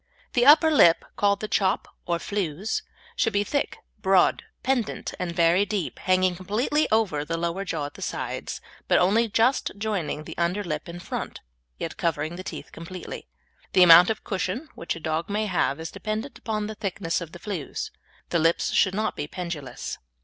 The upper lip, called the "chop," or flews, should be thick, broad, pendant and very deep, hanging completely over the lower jaw at the sides, but only just joining the under lip in front, yet covering the teeth completely. The amount of "cushion" which a dog may have is dependent upon the thickness of the flews. The lips should not be pendulous.